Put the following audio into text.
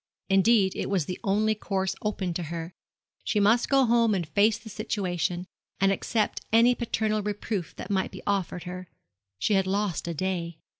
Indeed it was the only course open to her. She must go home and face the situation, and accept any paternal reproof that might be offered her. She had lost a day.